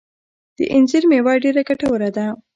د انځر مېوه ډیره ګټوره ده